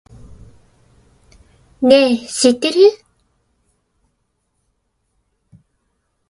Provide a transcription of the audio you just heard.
ねぇ、知ってる？